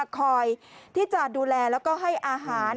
มันเป็นสอนขับคอยที่จาดดูแลแล้วก็ให้อาหาร